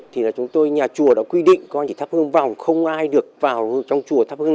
thì là chúng tôi nhà chùa đã quy định con chỉ thắp hương vòng không ai được vào trong chùa tháp hương